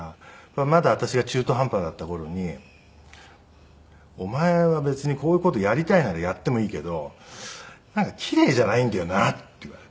まだ私が中途半端だった頃に「お前は別にこういう事やりたいならやってもいいけどなんか奇麗じゃないんだよな」って言われて。